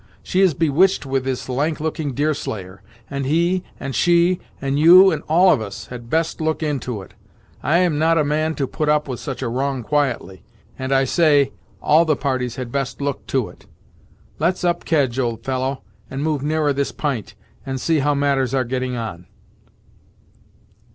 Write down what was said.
She is bewitched with this lank looking Deerslayer, and he, and she, and you, and all of us, had best look to it. I am not a man to put up with such a wrong quietly, and I say, all the parties had best look to it! Let's up kedge, old fellow, and move nearer to this p'int, and see how matters are getting on."